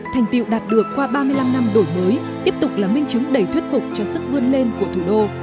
thành tiệu đạt được qua ba mươi năm năm đổi mới tiếp tục là minh chứng đầy thuyết phục cho sức vươn lên của thủ đô